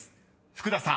福田さん